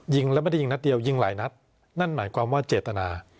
แล้วไม่ได้ยิงนัดเดียวยิงหลายนัดนั่นหมายความว่าเจตนา